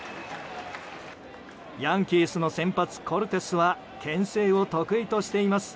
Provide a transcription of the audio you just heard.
ヤンキースの先発コルテスは牽制を得意としています。